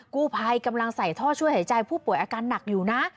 กู้ภัยกำลังใส่ท่อช่วยหายใจผู้ป่วยอาการหนักอยู่นะ